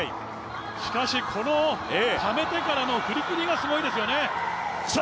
しかし、ためてからの振り切りがすごいですよね。